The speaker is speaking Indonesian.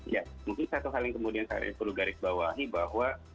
ya mungkin satu hal yang kemudian saya rekomendasi bahwa